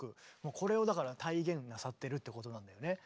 これをだから体現なさってるってことなんだよね。